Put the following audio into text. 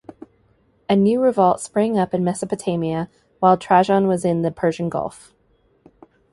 A new revolt sprang up in Mesopotamia, while Trajan was in the Persian Gulf.